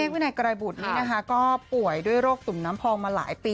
กินแล้วหาย